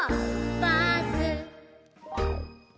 バス」